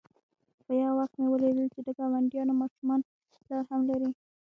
خو يو وخت مې وليدل چې د گاونډيو ماشومان پلار هم لري.